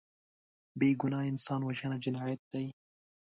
بېګناه انسان وژنه جنایت دی